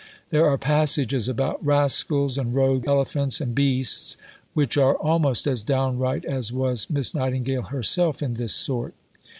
There are passages about "rascals" and "rogue Elephants" and "beasts," which are almost as downright as was Miss Nightingale herself in this sort.